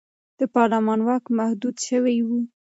د پارلمان واک محدود شوی و.